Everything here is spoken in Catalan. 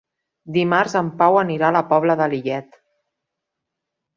Dimarts en Pau anirà a la Pobla de Lillet.